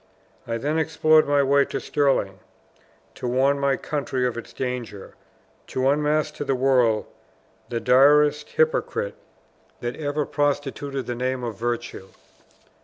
I then explored my way to Stirling, to warn my country of its danger to unmask to the world the direst hypocrite that ever prostituted the name of virtue."